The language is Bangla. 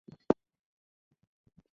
জ্যাসন অরল্যানকে চাচ্ছো তোমরা অই ভূমিকায়?